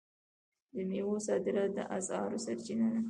د میوو صادرات د اسعارو سرچینه ده.